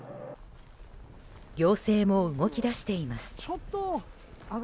行政も動き出しています。